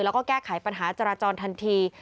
แล้วก็แก้ไขปัญหาจราจรทันที